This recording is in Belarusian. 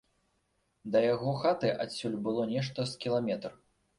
Да яго хаты адсюль было нешта з кіламетр.